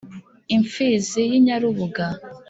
Imfizi y' Inyarubuga